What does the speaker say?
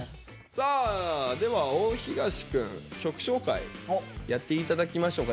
さあでは大東君曲紹介やって頂きましょうか。